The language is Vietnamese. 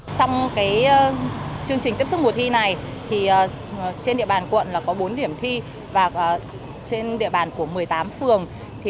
trong chương trình tiếp xúc mùa thi này trên địa bàn quận có bốn điểm thi và trên địa bàn của một mươi tám phường